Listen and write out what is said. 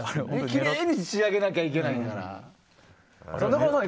きれいに仕上げなきゃいけないから。